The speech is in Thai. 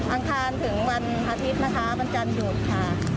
อังคารถึงวันอาทิตย์นะคะวันจันทร์หยุดค่ะ